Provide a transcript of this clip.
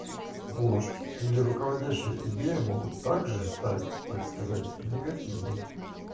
Вождь или руководящая идея могут также стать, так сказать, негативны.